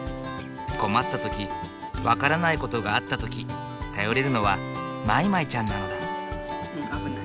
困った時分からない事があった時頼れるのはまいまいちゃんなのだ。